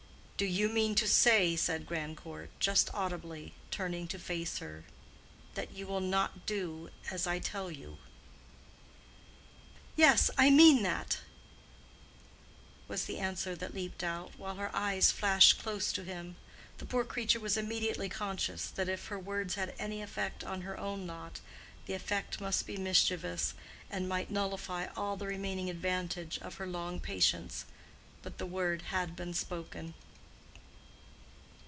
"Do you mean to say," said Grandcourt, just audibly, turning to face her, "that you will not do as I tell you?" "Yes, I mean that," was the answer that leaped out, while her eyes flashed close to him. The poor creature was immediately conscious that if her words had any effect on her own lot, the effect must be mischievous, and might nullify all the remaining advantage of her long patience. But the word had been spoken.